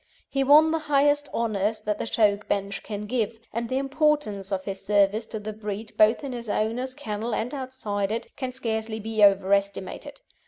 He won the highest honours that the show bench can give, and the importance of his service to the breed both in his owner's kennel and outside it, can scarcely be over estimated.